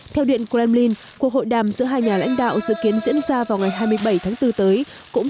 theo điện kremlin cuộc hội đàm giữa hai nhà lãnh đạo dự kiến diễn ra vào ngày hai mươi bảy tháng bốn tới cũng